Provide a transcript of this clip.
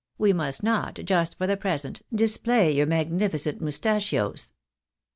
We must not, just for the present, display your magnificent mustaches."